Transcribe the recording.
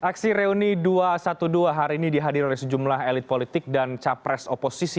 aksi reuni dua ratus dua belas hari ini dihadir oleh sejumlah elit politik dan capres oposisi